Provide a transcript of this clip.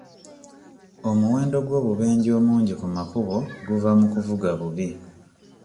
Omuwendo gw'obubenje omungi ku makubo guva mu kuvuga bubi.